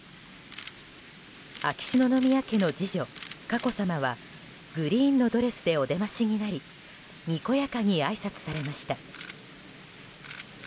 秋篠宮家の次女・佳子さまはグリーンのドレスでお出ましになりにこやかにあいさつされました。